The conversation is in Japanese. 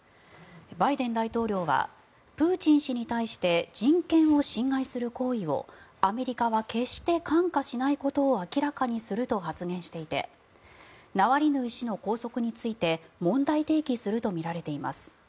バイデン大統領はプーチン氏に対して人権を侵害する行為をアメリカは決して看過しないことを明らかにすると発言していてナワリヌイ氏の拘束について問題提起するとみられています。